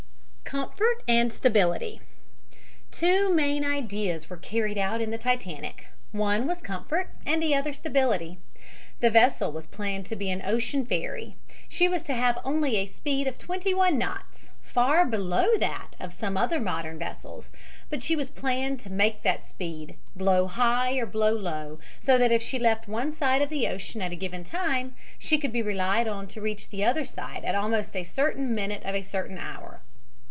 COMFORT AND STABILITY Two main ideas were carried out in the Titanic. One was comfort and the other stability. The vessel was planned to be an ocean ferry. She was to have only a speed of twenty one knots, far below that of some other modern vessels, but she was planned to make that speed, blow high or blow low, so that if she left one side of the ocean at a given time she could be relied on to reach the other side at almost a certain minute of a certain hour.